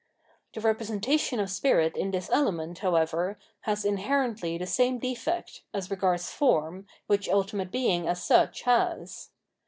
The representation of Spirit in this element, however, has mherently the same defect, as regards form, which ultimate Being as such has.